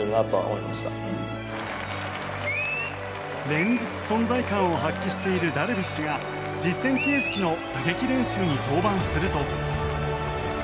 連日存在感を発揮しているダルビッシュが実戦形式の打撃練習に登板すると。